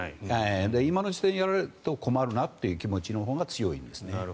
今の時点でやられると困るという気持ちが強いんです。